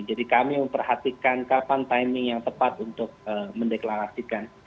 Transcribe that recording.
jadi kami memperhatikan kapan timing yang tepat untuk mendeklarasikan